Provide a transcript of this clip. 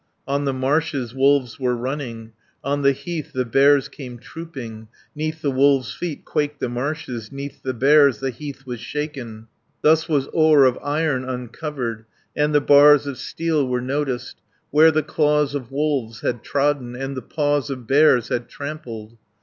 "On the marshes wolves were running, On the heath the bears came trooping. 100 'Neath the wolves' feet quaked the marshes, 'Neath the bears the heath was shaken, Thus was ore of iron uncovered, And the bars of steel were noticed, Where the claws of wolves had trodden, And the paws of bears had trampled.